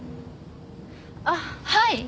あっはい。